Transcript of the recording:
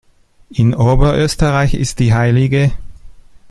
In Oberösterreich ist die hl.